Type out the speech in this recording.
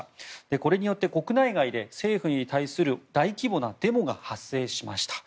これによって、国内外で政府に対する大規模なデモが発生しました。